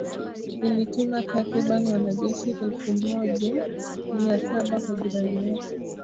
Ilituma takribani wanajeshi elfu moja mia saba kwa jirani yake